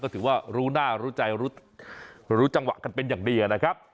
ถือว่ารู้หน้ารู้ใจรู้จังหวะกันเป็นอย่างดีนะครับ